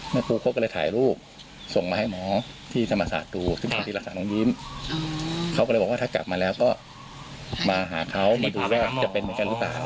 ครูเขาก็เลยถ่ายรูปส่งมาให้หมอที่ธรรมศาสตร์ดูซึ่งเป็นคนที่รักษาน้องยิ้มเขาก็เลยบอกว่าถ้ากลับมาแล้วก็มาหาเขามาดูว่าจะเป็นเหมือนกันหรือเปล่า